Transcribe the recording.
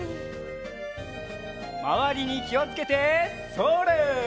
まわりにきをつけてそれ！